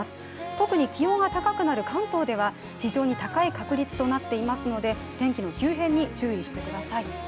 特に気温が高くなる関東では非常に高い確率となっていますので天気の急変に注意してください。